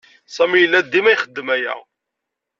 Sami yella dima ixeddem aya.